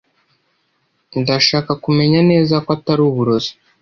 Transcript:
Ndashaka kumenya neza ko atari uburozi